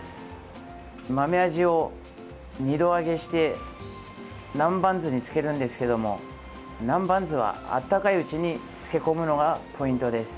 豆アジを２度揚げして南蛮酢に漬けるんですけども南蛮酢は温かいうちに漬け込むのがポイントです。